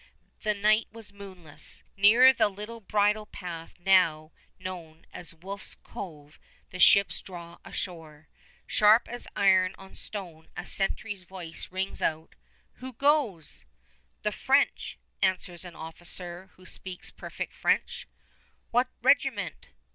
The night was moonless. Near the little bridle path now known as Wolfe's Cove the ships draw ashore. Sharp as iron on stone a sentry's voice rings out, "Who goes?" "The French," answers an officer, who speaks perfect French. "What regiment?"